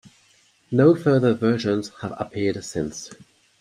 No further versions have appeared since.